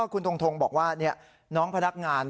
คุณทงบอกว่าน้องพนักงาน